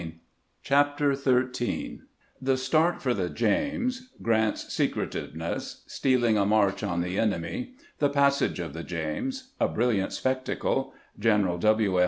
13 CHAPTER XIII THE START FOE THE JAMES — GRANT'S SECRETIVENESS — STEALING A MARCH ON THE ENEMY — THE PASSAGE OF THE JAMES — A BRILLIANT SPECTACLE — GENERAL W.